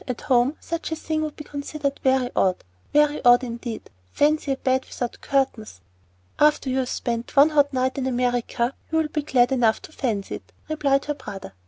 "At home such a thing would be considered very odd, very odd indeed. Fancy a bed without curtains!" "After you've spent one hot night in America you'll be glad enough to fancy it," replied her brother.